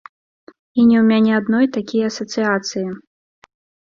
І не ў мяне адной такія асацыяцыі.